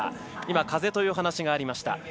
今、風というお話がありました。